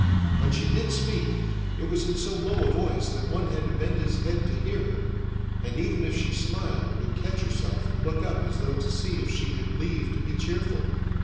When she did speak, it was in so low a voice that one had to bend his head to hear her, and even if she smiled would catch herself and look up as though to see if she had leave to be cheerful.